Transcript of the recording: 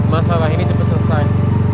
masalah ini cepet selesai